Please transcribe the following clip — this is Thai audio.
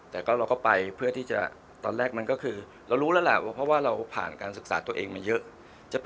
แต่เราก็ไปเพื่อที่จะตอนแรกมันก็คือเรารู้แล้วแหละว่าเพราะว่าเราผ่านการศึกษาตัวเองมาเยอะ